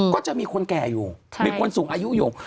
ก็จะมีคนแก่อยู่มีคนสูงอายุอยู่